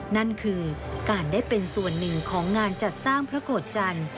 นั่นคือการได้เป็นส่วนหนึ่งของงานจัดสร้างพระโกรธจันทร์